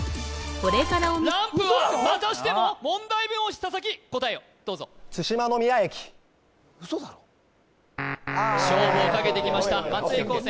ランプはまたしても問題文押し佐々木答えをどうぞ津島ノ宮駅勝負をかけてきました松江高専